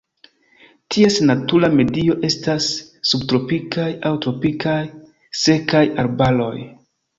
Ties natura medio estas subtropikaj aŭ tropikaj sekaj arbaroj.